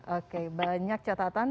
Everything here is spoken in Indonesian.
oke banyak catatan